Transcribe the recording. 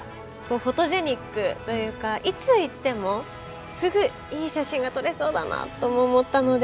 フォトジェニックというかいつ行ってもすぐいい写真が撮れそうだなとも思ったので行ってみたいなと。